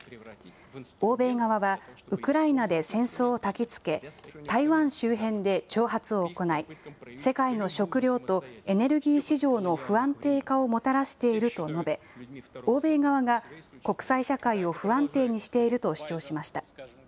欧米側は、ウクライナで戦争をたきつけ、台湾周辺で挑発を行い、世界の食料とエネルギー市場の不安定化をもたらしていると述べ、欧米側が国際社会を不安定にしていると主張しました。